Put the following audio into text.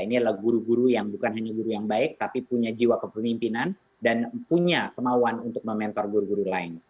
ini adalah guru guru yang bukan hanya guru yang baik tapi punya jiwa kepemimpinan dan punya kemauan untuk mementar guru guru lain